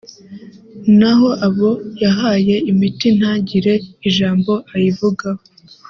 naho abo yahaye imiti ntagire ijambo ayivugaho